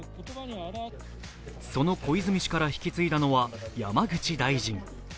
その小泉氏から引き継いだのは山口大臣。